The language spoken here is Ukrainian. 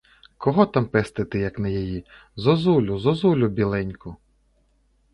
Кого там пестити, як не її, зозулю, зозулю біленьку!